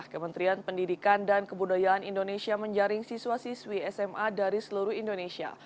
kementerian pendidikan dan kebudayaan indonesia menjaring siswa siswi sma dari seluruh indonesia